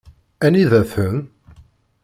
Anida-ten?